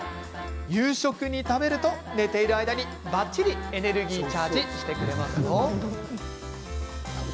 夕食に食べると寝ている間にばっちりエネルギーチャージしてくれますよ。